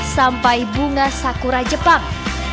sampai bunga sakura jepang